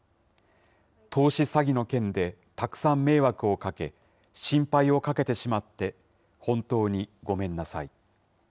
投資詐欺の件でたくさん迷惑をかけ、心配をかけてしまって本当にごめんなさい。